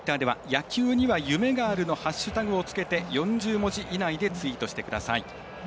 野球には夢がある」のハッシュタグを付けて４０文字以内でツイートしてください。